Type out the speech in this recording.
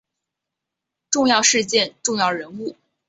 重要事件重要人物